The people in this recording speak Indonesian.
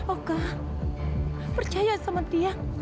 oka percaya sama tiang